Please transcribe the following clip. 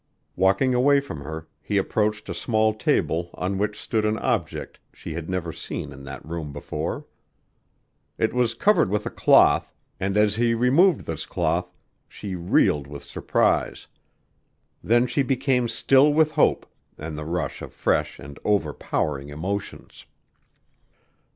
Walking away from her, he approached a small table on which stood an object she had never seen in that room before. It was covered with a cloth, and as he removed this cloth, she reeled with surprise; then she became still with hope and the rush of fresh and overpowering emotions.